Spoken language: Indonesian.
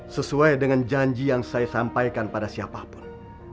sesuai dengan janji yang saya sampaikan pada siapapun